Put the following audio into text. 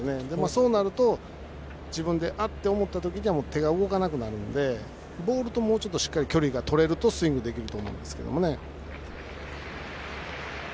そうなると、自分であって思ったときには手が動かなくなるので、ボールともうちょっとしっかり距離が取れるとスイングできると思いますけどね。